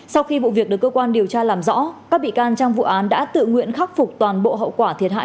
sau khi vụ việc được cơ quan điều tra làm rõ các bị can trong vụ án đã tự nguyện khắc phục toàn bộ hậu quả thiệt hại